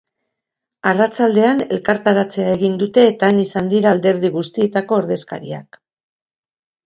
Arratsaldean, elkarretaratzea egin dute, eta han izan dira alderdi guztietako ordezkariak.